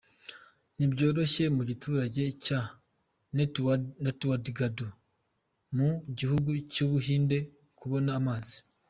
Ntibyoroshye mu giturage cya Natwarghad mu gihugu cy'u Buhinde kubona amazi.